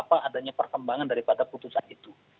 apa adanya perkembangan daripada putusan itu